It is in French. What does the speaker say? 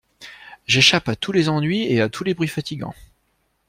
J'échappe à tous les ennuis et à tous les bruits fatigants.